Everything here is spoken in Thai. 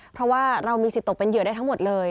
เพราะว่าเรามีสิทธิ์ตกเป็นเหยื่อได้ทั้งหมดเลย